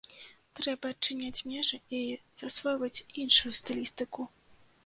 Трэба адчыняць межы і засвойваць іншую стылістыку.